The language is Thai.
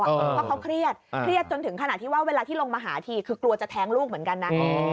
เพราะเขาเครียดเครียดจนถึงขนาดที่ว่าเวลาที่ลงมาหาทีคือกลัวจะแท้งลูกเหมือนกันนะ